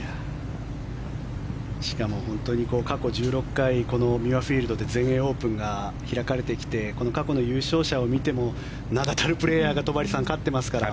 しかも本当に過去１６回このミュアフィールドで全英オープンが開かれてきてこの過去の優勝者を見ても名だたるプレーヤーが戸張さん、勝ってますから。